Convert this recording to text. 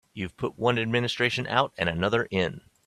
You've put one administration out and another in.